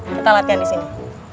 kita latihan disini